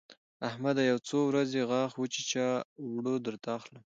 احمده! يو څو ورځې غاښ وچيچه؛ اوړه درته اخلم.